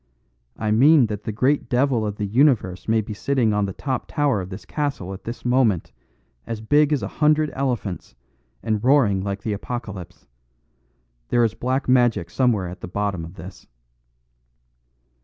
"I mean that the great devil of the universe may be sitting on the top tower of this castle at this moment, as big as a hundred elephants, and roaring like the Apocalypse. There is black magic somewhere at the bottom of this."